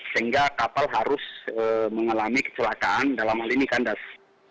sehingga kapal harus mengalami kecelakaan dalam hal ini kandas